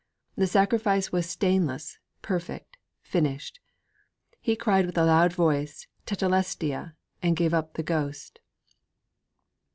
The sacrifice was stainless, perfect, finished! '_He cried with a loud voice Tetelestai! and gave up the ghost.